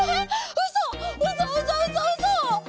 うそうそうそうそうそ！？